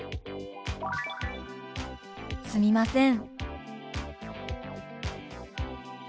「すみません」。